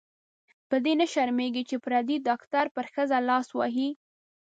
په دې نه شرمېږې چې پردې ډاکټر پر ښځې لاس وهي.